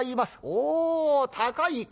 「おお高いか。